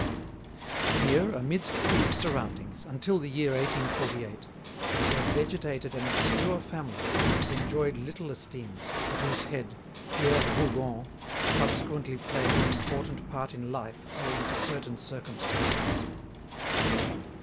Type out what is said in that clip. Here, amidst these surroundings, until the year 1848, there vegetated an obscure family that enjoyed little esteem, but whose head, Pierre Rougon, subsequently played an important part in life owing to certain circumstances.